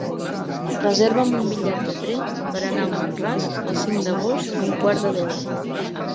Reserva'm un bitllet de tren per anar a Mont-ras el cinc d'agost a un quart de deu.